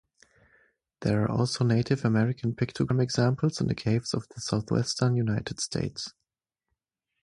There are also Native American pictogram examples in caves of the Southwestern United States.